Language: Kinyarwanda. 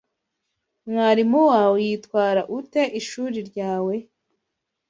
mwarimu wawe yitwara ute ishuri ryawe